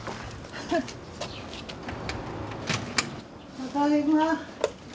ただいま。